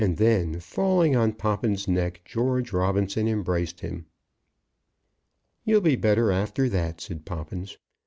And then, falling on Poppins' neck, George Robinson embraced him. "You'll be better after that," said Poppins.